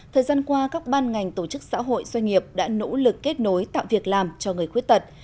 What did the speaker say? thời gian qua các ban ngành tổ chức xã hội doanh nghiệp đã nỗ lực kết nối tạo việc làm cho người khuyết tật